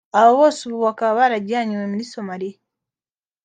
aba bose ubu bakaba barajyanywe muri Somalia